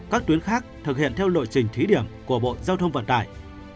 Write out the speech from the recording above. các tuyến khác thực hiện theo lộ trình thí điểm của bộ giao thông vận tải